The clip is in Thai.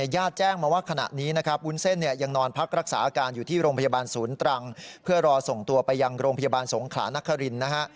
ยิงประมาณร่างคานะ